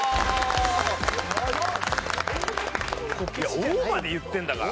「大」まで言ってるんだから。